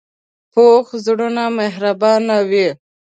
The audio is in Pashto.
پوخ زړونه مهربانه وي